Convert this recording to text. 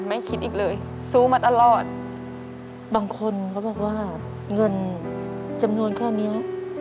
ไม่คิดอีกเลยสู้มาตลอดบางคนเขาบอกว่าเงินจำนวนแค่เนี้ย